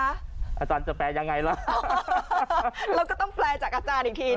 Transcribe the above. อาจารย์จะแปลยังไงล่ะเราก็ต้องแปลจากอาจารย์อีกที